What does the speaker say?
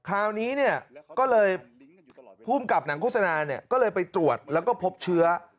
คราวนี้เนี่ยก็เลยภูมิกับหนังโฆษณาก็เลยไปตรวจแล้วก็พบเชื้อ